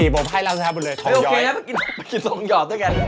๑๔๐๐บาทให้แล้วสำหรับบุญเลยทองยอยโอเคไปกินทองยอดด้วยกัน